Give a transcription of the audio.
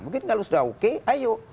mungkin kalau sudah oke ayo